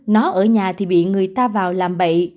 nó ở nhà thì bị người ta vào làm bậy